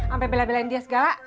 sampai bela belain dia segala